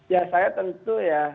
ya saya tentu ya